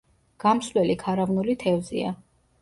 გამსვლელი ქარავნული თევზია.